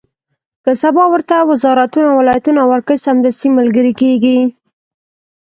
که سبا ورته وزارتونه او ولایتونه ورکړي، سمدستي ملګري کېږي.